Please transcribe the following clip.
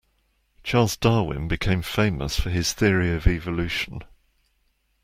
Charles Darwin became famous for his theory of evolution.